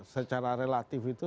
secara relatif itu